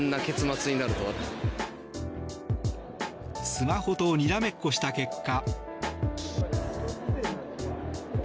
スマホとにらめっこした結果。